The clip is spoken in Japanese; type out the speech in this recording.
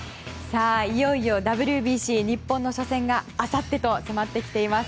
いよいよＷＢＣ、日本の初戦があさってと迫ってきています。